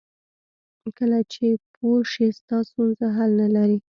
کله چې پوه شې ستا ستونزه حل نه لري.